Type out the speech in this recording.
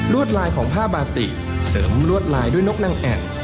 ลายของผ้าบาติเสริมลวดลายด้วยนกนางแอ่น